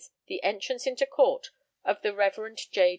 the entrance into Court of the Rev. J.